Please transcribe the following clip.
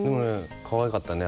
かわいかったね。